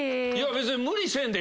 別に。